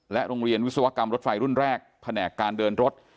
โรงเรียนวิศวกรรมรถไฟรุ่นแรกแผนกการเดินรถ